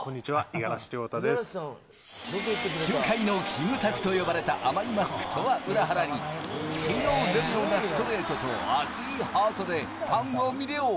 球界のキムタクと呼ばれた、甘いマスクとは裏腹に、火の出るようなストレートと、アツいハートでファンを魅了。